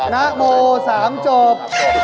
นโมสามจบ